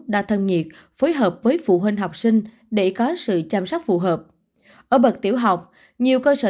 công việc phối hợp với phụ huynh học sinh để có sự chăm sóc phù hợp ở bậc tiểu học nhiều cơ sở